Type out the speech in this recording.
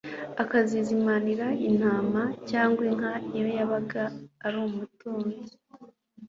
akazizimanira intama cyangwa inka iyo yabaga ari umutunzi.